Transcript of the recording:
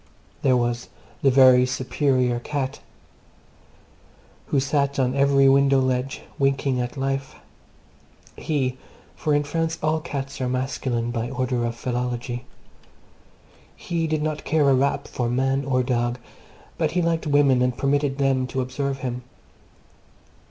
There was the very superior cat who sat on every window ledge, winking at life. He (for in France all cats are masculine by order of philology), he did not care a rap for man or dog, but he liked women and permitted them to observe him.